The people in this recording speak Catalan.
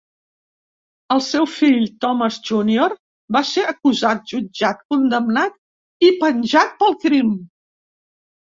El seu fill Thomas Junior va ser acusat, jutjat, condemnat i penjat pel crim.